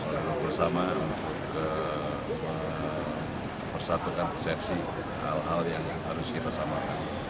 kita sudah bertemu bersama untuk persatukan persepsi hal hal yang harus kita samakan